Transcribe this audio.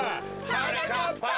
はなかっぱ！